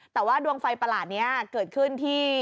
แต่ว่าดวงไฟประหลาดนี้เกิดขึ้นที่